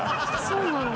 そうなんだ。